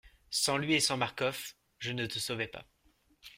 Sans lui et sans Marcof, je ne te sauvais pas.